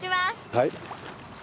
はい。